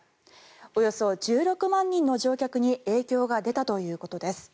およそ１６万人の乗客に影響が出たということです。